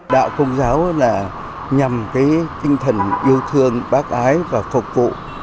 đạo công giáo là nhằm cái tinh thần yêu thương bác ái và phục vụ